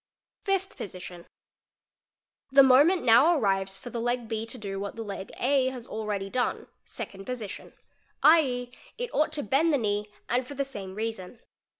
Fifth Position—The moment now arrives for the leg B to do iia ; the leg A has already done (Second Position), 2.e., 1t ought to bend the knee and for the same reason.